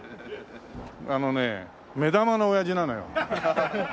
あのね目玉のおやじなのよ。